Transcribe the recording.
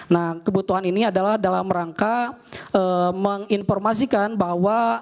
nah kebutuhan ini adalah dalam rangka menginformasikan bahwa